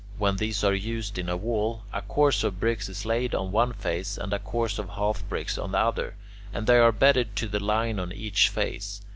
When these are used in a wall, a course of bricks is laid on one face and a course of half bricks on the other, and they are bedded to the line on each face.